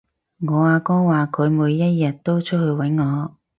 我阿哥話佢每一日都出去搵我